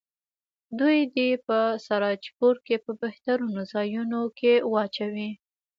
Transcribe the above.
دوی دې په سراجپور کې په بهترینو ځایونو کې واچوي.